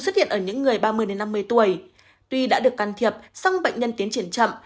xuất hiện ở những người ba mươi năm mươi tuổi tuy đã được can thiệp song bệnh nhân tiến triển chậm